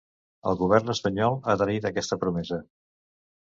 El govern espanyol ha traït aquesta promesa.